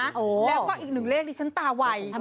แล้วก็อีกหนึ่งเลขดิฉันตาไว